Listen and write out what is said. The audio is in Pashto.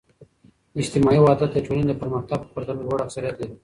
اجتماعي وحدت د ټولنې د پرمختګ په پرتله لوړ اکثریت لري.